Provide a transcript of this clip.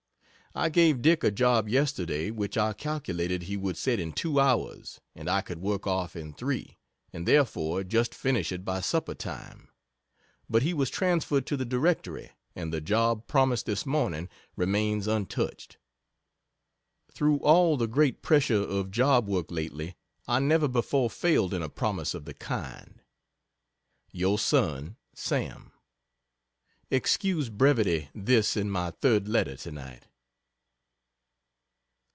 I gave Dick a job yesterday, which I calculated he would set in two hours and I could work off in three, and therefore just finish it by supper time, but he was transferred to the Directory, and the job, promised this morning, remains untouched. Through all the great pressure of job work lately, I never before failed in a promise of the kind. Your Son SAM Excuse brevity this is my 3rd letter to night.